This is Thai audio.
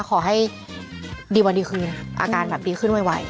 ขอให้ดีวันดีคืนอาการแบบดีขึ้นไว